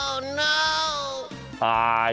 โอ้น้าว